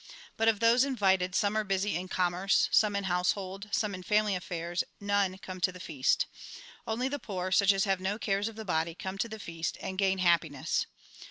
But of those invited some are A RECAPITULATION 187 busy in commerce, some in the household, some in family affairs, none come to the feast. Only the poor, such as have no cares of the body, come to the feast, and gain happiness.